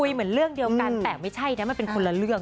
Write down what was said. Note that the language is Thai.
เหมือนเรื่องเดียวกันแต่ไม่ใช่นะมันเป็นคนละเรื่อง